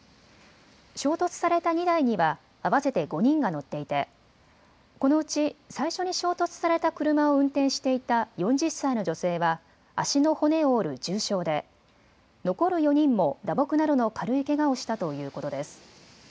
衝突された２台には合わせて５人が乗っていてこのうち最初に衝突された車を運転していた４０歳の女性は足の骨を折る重傷で残る４人も打撲などの軽いけがをしたということです。